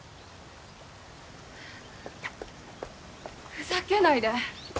ふざけないで。